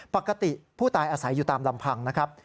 ปกติผู้ตายอาศัยอยู่ตามลำพังนะครับ